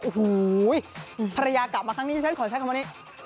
โอ้โหภรรยากลับมาครั้งนี้ที่ฉันขอใช้คำว่านี้